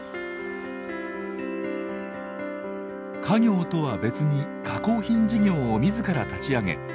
家業とは別に加工品事業を自ら立ち上げ